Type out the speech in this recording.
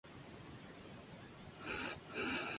Y todas las afirmaciones hechas carecían de sentido.